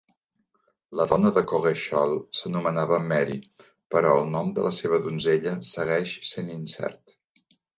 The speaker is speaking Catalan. La dona de Coggeshall s'anomenava Mary, però el nom de la seva donzella segueix sent incert.